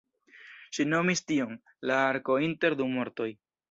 Ŝi nomis tion "la arko inter du mortoj".